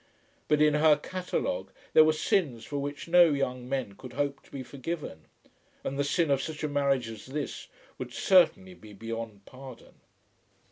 But in her catalogue there were sins for which no young men could hope to be forgiven; and the sin of such a marriage as this would certainly be beyond pardon.